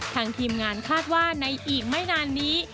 ทีมงานคาดว่าในอีกไม่นานนี้